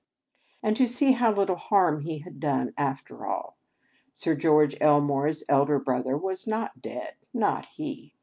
And to see how little harm he had done, after all! Sir George Elmore's elder brother was not dead. Not he!